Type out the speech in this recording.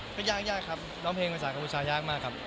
ก็ยากยากครับร้องเพลงภาษากัมพูชายากมากครับ